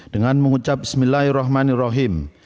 dengan mengucap bismillahirrahmanirrahim